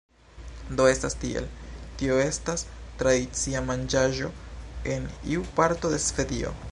Do, estas tiel, tio estas tradicia manĝaĵo en iu parto de Svedio